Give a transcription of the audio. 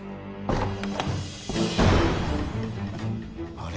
あれ？